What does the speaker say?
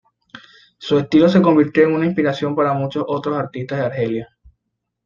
Su estilo se convirtió en una inspiración para muchos otros artistas de Argelia.